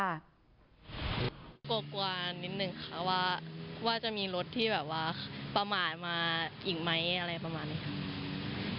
โดสดิ์แปลว่ากลัวนิดนึงค่ะว่าจะมีรถที่ประหมายอีกไหมอะไรประมาณนี้ค่ะ